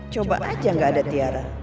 coba aja gak ada tiara